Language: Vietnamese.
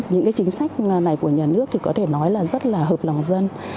những cái chính sách này của nhà nước thì có thể nói là rất là hợp lòng dân